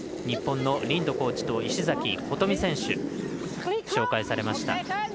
日本のリンドコーチと石崎琴美選手、紹介されました。